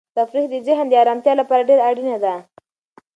تفریح د ذهن د ارامتیا لپاره ډېره اړینه ده.